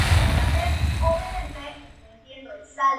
Nos vemos en la red".